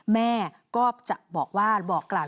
แม่ก็จะบอกว่า